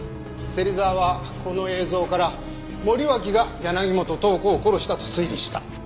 芹沢はこの映像から森脇が柳本塔子を殺したと推理した。